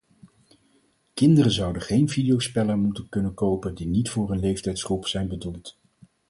Kinderen zouden geen videospellen moeten kunnen kopen die niet voor hun leeftijdsgroep zijn bedoeld.